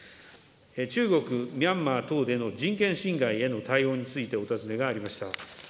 中国、ミャンマー等での人権侵害への対応についてお尋ねがありました。